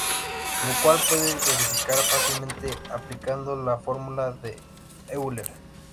Lo cual se puede verificar fácilmente aplicando la fórmula de Euler.